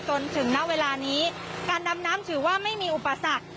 จนถึงณเวลานี้การดำน้ำถือว่าไม่มีอุปสรรค